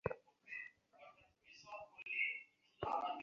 বাক্যের বিরামস্থলগুলি যেন বাক্যের চেয়ে মধুমত্তর হয়ে ওঠে।